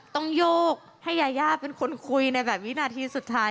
ต้องโยกให้ยายาเป็นคนคุยในแบบวินาทีสุดท้าย